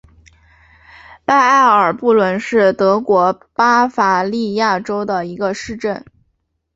拜埃尔布伦是德国巴伐利亚州的一个市镇。